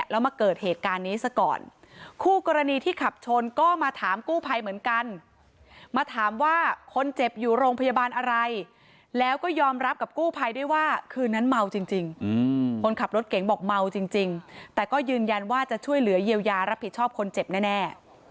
แล้วมาเกิดเหตุการณ์นี้ซะก่อนคู่กรณีที่ขับชนก็มาถามกู้ภัยเหมือนกันมาถามว่าคนเจ็บอยู่โรงพยาบาลอะไรแล้วก็ยอมรับกับกู้ภัยด้วยว่าคืนนั้นเมาจริงคนขับรถเก๋งบอกเมาจริงแต่ก็ยืนยันว่าจะช่วยเหลือเยียวยารับผิดชอบคนเจ็บแน่